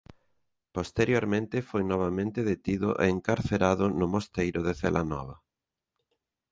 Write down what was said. Posteriormente foi novamente detido e encarcerado no Mosteiro de Celanova.